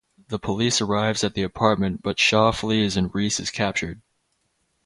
The police arrives at the apartment but Shaw flees and Reese is captured.